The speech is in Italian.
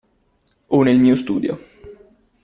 O nel mio studio.